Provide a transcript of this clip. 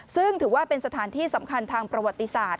ซึ่งถือว่าเป็นสถานที่สำคัญทางประวัติศาสต